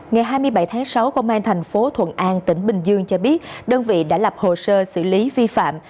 ngày hai mươi bảy tháng sáu công an thành phố thuận an tỉnh bình dương cho biết đơn vị đã lập hồ sơ xử lý vi phạm